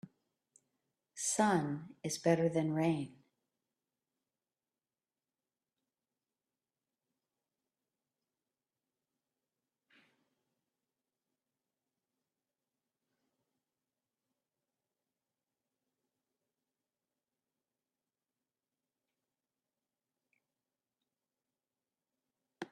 Sun is better than rain.